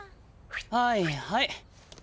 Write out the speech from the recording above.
はいはい。